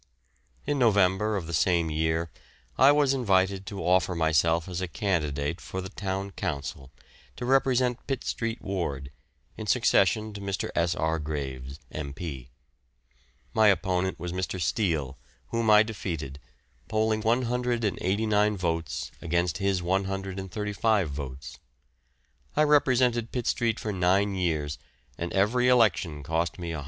In November of the same year I was invited to offer myself as a candidate for the Town Council to represent Pitt Street Ward, in succession to Mr. S. R. Graves, M.P. My opponent was Mr. Steel, whom I defeated, polling 189 votes against his 135 votes. I represented Pitt Street for nine years, and every election cost me £150.